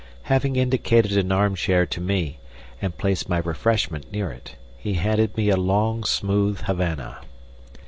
Having indicated an arm chair to me and placed my refreshment near it, he handed me a long, smooth Havana.